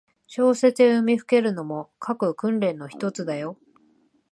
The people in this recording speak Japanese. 小説を読みふけるのも、書く訓練のひとつだよ。